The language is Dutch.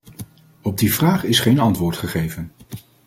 Op die vraag is geen antwoord gegeven.